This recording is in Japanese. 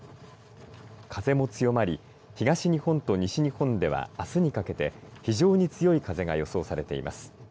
風も強まり、東日本と西日本ではあすにかけて、非常に強い風が予想されています。